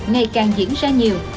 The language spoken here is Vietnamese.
ngày càng diễn ra nhiều